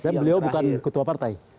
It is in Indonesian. dan beliau bukan ketua partai